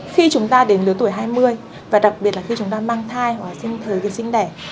khi chúng ta đến lứa tuổi hai mươi và đặc biệt là khi chúng ta mang thai hoặc sinh thời thì sinh đẻ